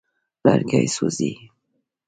لرګي سوځېږي.